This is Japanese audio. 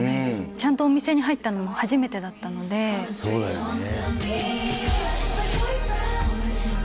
ちゃんとお店に入ったのも初めてそうだよね。